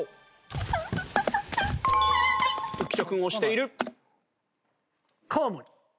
浮所君押している。